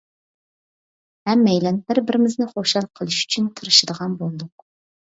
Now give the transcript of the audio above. ھەممەيلەن بىر-بىرىمىزنى خۇشال قىلىش ئۈچۈن تىرىشىدىغان بولدۇق.